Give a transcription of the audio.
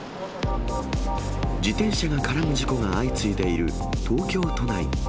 自転車が絡む事故が相次いでいる東京都内。